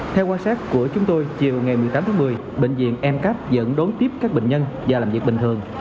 theo quan sát của chúng tôi chiều ngày một mươi tám tháng một mươi bệnh viện mcap dẫn đón tiếp các bệnh nhân và làm việc bình thường